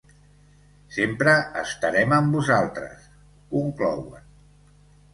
Sempre estarem amb vosaltres!, conclouen.